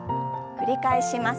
繰り返します。